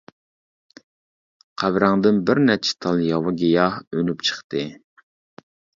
قەبرەڭدىن بىر نەچچە تال ياۋا گىياھ ئۈنۈپ چىقتى.